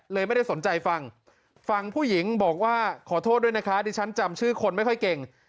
ไม่ได้สนใจฟังฟังผู้หญิงบอกว่าขอโทษด้วยนะคะดิฉันจำชื่อคนไม่ค่อยเก่ง